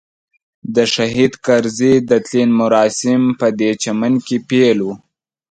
د شهید کرزي د تلین مراسم پدې چمن کې پیل وو.